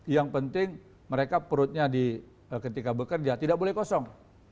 yang penting mereka perutnya ketika bekerja tidak boleh kosong